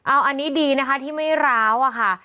อันนี้ดีนะคะที่ไม่ร้าวอะค่ะ